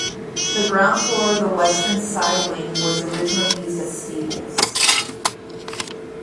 The ground floor of the western side wing was originally used as stables.